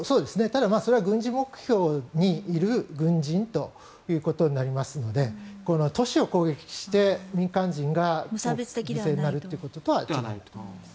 ただそれは軍事目標にいる軍人ということになりますので都市を攻撃して民間人が犠牲になるということとは違うと思います。